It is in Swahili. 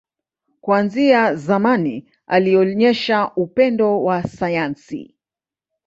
Kuanzia zamani, alionyesha upendo wa sayansi.